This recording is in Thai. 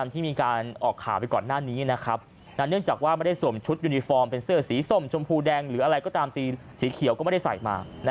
ฐานด้านของพันธป